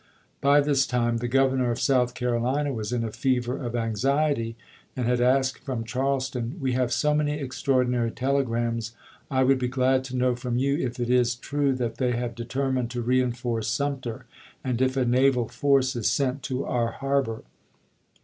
By this time the Grovernor of South Carolina was in a fever of anxiety, and had asked from Charleston, "We have so many extraordinary tele grams, I would be glad to know from you if it is true that they have determined to reenforce Sum ter, and if a naval force is sent to our harbor.